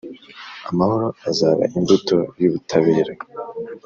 Amahoro azaba imbuto y’ubutabera,